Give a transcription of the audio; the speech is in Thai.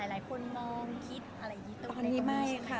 ที่หลายคนมองคิดอะไรอย่างนี้ต้องได้ตรงนี้ใช่ไหมคะ